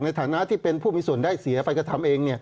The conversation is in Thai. ในฐานะที่เป็นผู้มีส่วนได้เสียไปกระทำเอง